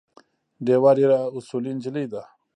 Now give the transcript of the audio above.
ډیوه ډېره اصولي نجلی ده